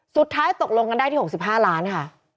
สุดท้ายตกลงกันได้ที่๖๕ล้านค่ะ